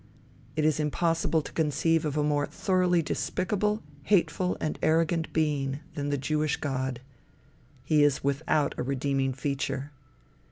It is impossible to conceive of a more thoroughly despicable, hateful, and arrogant being, than the Jewish god. He is without a redeeming feature.